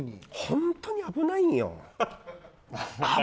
本当に危ないんよ。